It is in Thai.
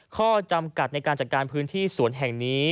ข้อจำกัดในการจัดการพื้นที่สวนแห่งนี้